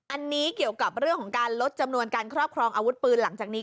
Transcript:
อันนี้เกี่ยวกับเรื่องของการลดจำนวนการครอบครองอาวุธปืนหลังจากนี้